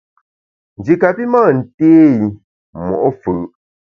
Nji kapi mâ nté i mo’ fù’.